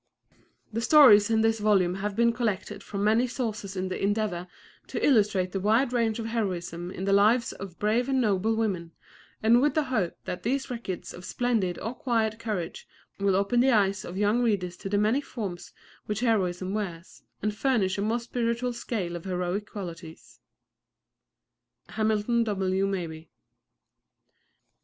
The stories in this volume have been collected from many sources in the endeavour to illustrate the wide range of heroism in the lives of brave and noble women, and with the hope that these records of splendid or quiet courage will open the eyes of young readers to the many forms which heroism wears, and furnish a more spiritual scale of heroic qualities. HAMILTON W. MABIE.